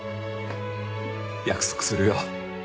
約束するよ。